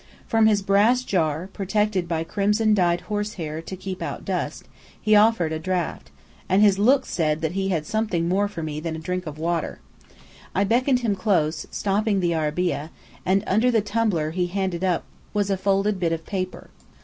From his brass jar, protected by crimson dyed horse hair to keep out dust, he offered a draught; and his look said that he had something more for me than a drink of water. I beckoned him close, stopping the arabeah; and under the tumbler he handed up was a folded bit of paper.